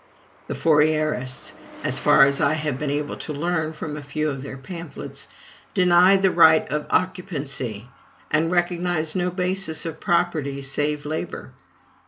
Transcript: The Fourierists as far as I have been able to learn from a few of their pamphlets deny the right of occupancy, and recognize no basis of property save labor.